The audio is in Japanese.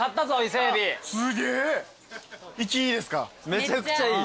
めちゃくちゃいい。